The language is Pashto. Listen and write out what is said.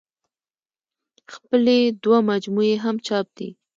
خپلې دوه مجموعې يې هم چاپ دي